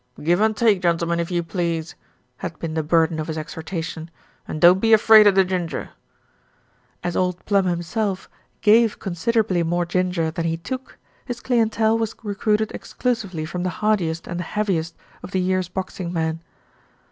"Give and take, gentlemen, if you please," had been the burden of his exhortation, "and don't be afraid o' the ginger." As Old Plum himself gave considerably more ginger than he took, his clientele was recruited exclusively from the hardiest and the heaviest of the year's boxing men.